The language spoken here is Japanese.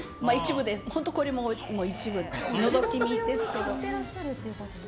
本当、これも一部のぞき見ですけど。